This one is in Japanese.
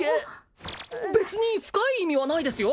別に深い意味はないですよ